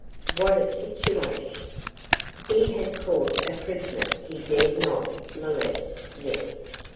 What a situation! He had caught a prisoner he dared not molest yet.